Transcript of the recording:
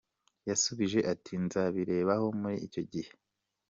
Yasubije ati "Nzabirebaho muri icyo gihe.